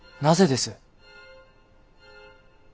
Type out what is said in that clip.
なぜです？